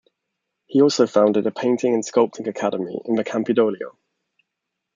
He also founded a painting and sculpting academy in the Campidoglio.